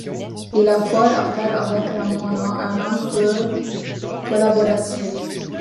Il a fort à faire avec Ramona, un âne peu collaboratif.